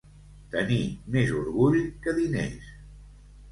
Tenir més orgull que diners.